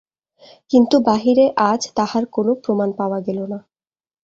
কিন্তু বাহিরে আজ তাহার কোনো প্রমাণ পাওয়া গেল না।